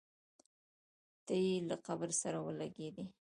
تی یې له قبر سره ولګېدی.